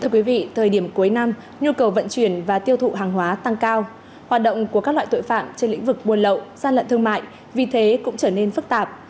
thưa quý vị thời điểm cuối năm nhu cầu vận chuyển và tiêu thụ hàng hóa tăng cao hoạt động của các loại tội phạm trên lĩnh vực buồn lậu gian lận thương mại vì thế cũng trở nên phức tạp